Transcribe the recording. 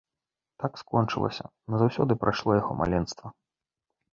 Так скончылася, назаўсёды прайшло яго маленства.